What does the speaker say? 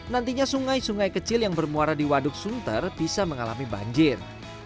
nantinya sungai sungai kecil yang bermuara di waduk sunter bisa mengalami banjir